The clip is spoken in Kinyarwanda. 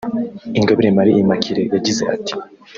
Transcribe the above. Ingabire Marie Immaculée yagize ati